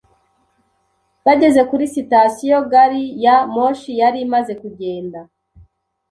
Bageze kuri sitasiyo, gari ya moshi yari imaze kugenda.